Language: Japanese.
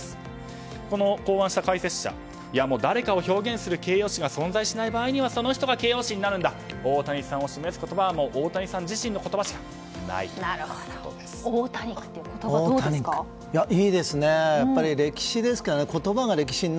これを考案した解説者誰かを表現する形容詞が存在しない場合にはその人が形容詞になるんだと大谷さんを示す言葉は大谷さん自身の言葉しかないということです。